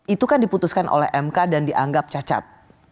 itu kan diputuskan oleh mk dan dianggap cacat